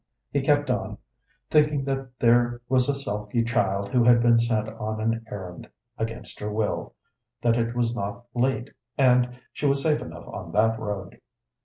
He kept on, thinking that there was a sulky child who had been sent on an errand against her will, that it was not late, and she was safe enough on that road.